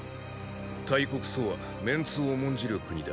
大国・楚は面子を重んじる国だ。